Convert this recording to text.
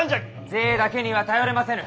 税だけには頼れませぬ。